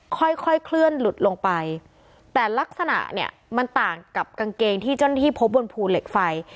ค่อยค่อยเคลื่อนหลุดลงไปแต่ลักษณะเนี่ยมันต่างกับกางเกงที่เจ้าหน้าที่พบบนภูเหล็กไฟ